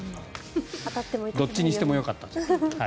どっちにしてもよかったです。